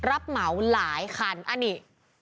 รับเหมาหลายคันอันนี้